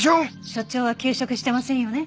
所長は休職してませんよね？